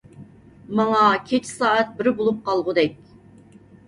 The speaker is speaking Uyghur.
ماڭا كېچە سائەت بىر بولۇپ قالغۇدەك.